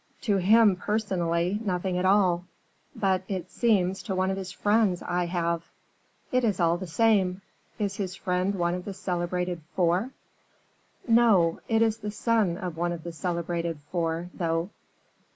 "To him, personally, nothing at all; but, it seems, to one of his friends, I have." "It is all the same. Is his friend one of the celebrated 'four'?" "No. It is the son of one of the celebrated 'four,' though."